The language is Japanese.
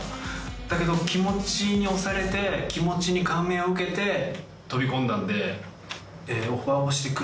だけど気持ちに押されて気持ちに感銘を受けて飛び込んだんで。